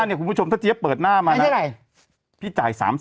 ใครจะไปเห็นอยากเห็นหน้ามากแหละ